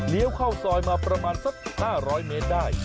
เข้าซอยมาประมาณสัก๕๐๐เมตรได้